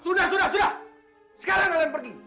sudah sekarang kalian pergi